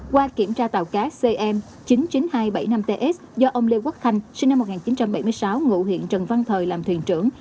qua kiểm tra tàu cá cm chín mươi chín nghìn hai trăm bảy mươi năm ts do ông lê quốc khanh sinh năm một nghìn chín trăm bảy mươi sáu ngụ huyện trần văn thời làm thuyền trưởng